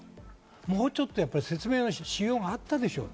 もう少し説明のしようがあったでしょ。